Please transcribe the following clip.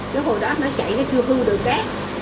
chứ hồi đó nó chạy cái kia hư đồi cát